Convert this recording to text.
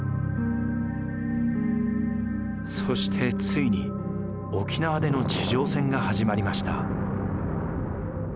そしてついに沖縄での地上戦が始まりました。